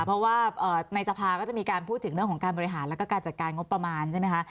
เพราะว่าในสภาก็จะมีการพูดถึงเรื่องของการบริหารแล้วก็การจัดการงบประมาณใช่ไหมคะ